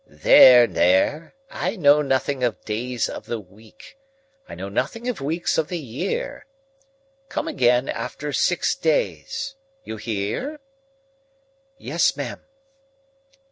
"There, there! I know nothing of days of the week; I know nothing of weeks of the year. Come again after six days. You hear?" "Yes, ma'am."